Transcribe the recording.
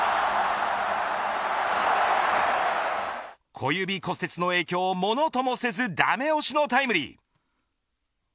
小指骨折の影響をものともせずダメ押しのタイムリー。